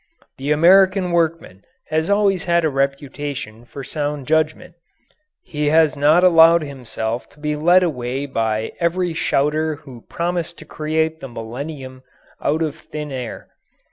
The American workman has always had a reputation for sound judgment. He has not allowed himself to be led away by every shouter who promised to create the millennium out of thin air.